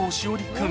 君